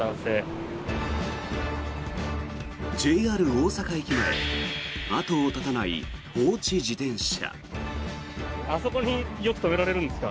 大阪駅前後を絶たない放置自転車。